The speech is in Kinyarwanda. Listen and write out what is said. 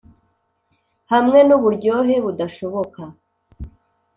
hamwe nuburyohe budashoboka,